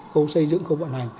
khâu xây dựng khâu vận hành